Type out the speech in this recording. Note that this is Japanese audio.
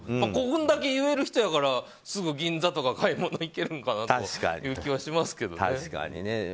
こんだけ言える人やからすぐ銀座とか買い物に行けるんかなという気はしますけどね。